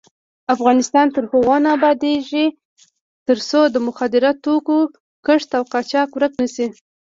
افغانستان تر هغو نه ابادیږي، ترڅو د مخدره توکو کښت او قاچاق ورک نشي.